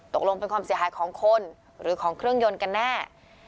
ตกลงเป็นความเสียหายของคนหรือของเครื่องยนต์กันแน่